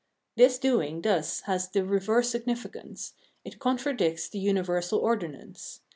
This doing thus has the reverse significance ; it contra dicts the universal ordinance.